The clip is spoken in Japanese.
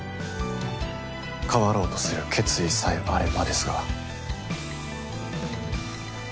変わろうとする決意さえあればですが。